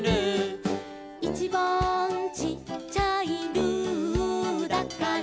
「いちばんちっちゃい」「ルーだから」